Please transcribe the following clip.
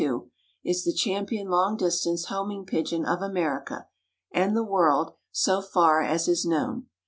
21,392," is the champion long distance homing pigeon of America, and the world, so far as is known.